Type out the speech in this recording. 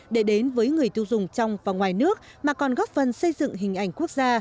để đến với người tiêu dùng trong và ngoài nước mà còn góp phần xây dựng hình ảnh quốc gia